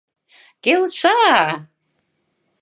— Келша-а-а!